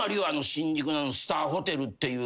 新宿のスターホテルっていう。